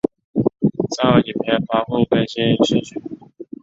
照影片发布更新顺序